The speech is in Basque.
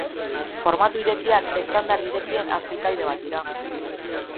Formatu irekiak estandar irekien azpi-talde bat dira.